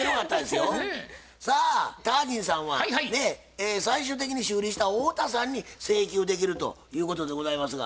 さあタージンさんは最終的に修理した太田さんに請求できるということでございますが？